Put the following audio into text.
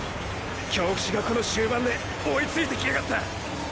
京伏がこの終盤で追いついてきやがった！！